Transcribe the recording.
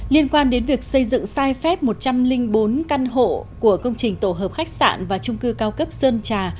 liên quan đến việc xây dựng sai phép một trăm linh bốn căn hộ của công trình tổ hợp khách sạn và trung cư cao cấp sơn trà